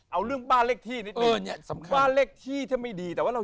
เอาเรื่องบ้านเลขที่นิดหนึ่ง